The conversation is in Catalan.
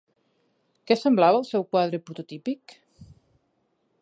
Què semblava el seu quadre prototípic?